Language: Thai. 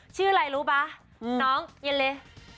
ชื่อไรรู้ป่ะน้องเยลลี่